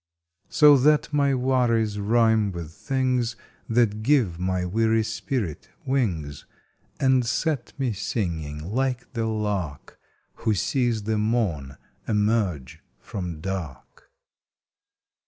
So that my worries rhyme with things That give my weary spirit wings And set me singing like the lark Who sees the morn emerge from dark.